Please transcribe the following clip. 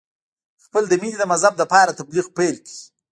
خپل د مینې د مذهب لپاره تبلیغ پیل کړ.